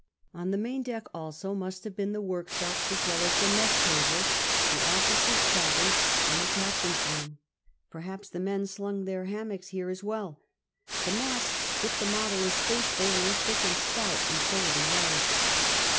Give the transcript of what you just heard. On the main deck also must have been the workshops, as well as the mess tables, the officers* cabins, and the captain's room. Perhaps the men slung their hammocks here as well. The masts, if the model is faithful, were thick and stout, and so were the yards.